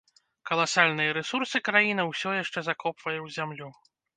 Каласальныя рэсурсы краіна ўсё яшчэ закопвае ў зямлю.